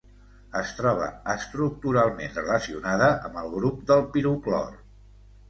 Es troba estructuralment relacionada amb el grup del piroclor.